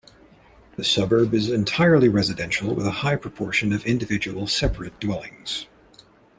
The suburb is entirely residential with a high proportion of individual separate dwellings.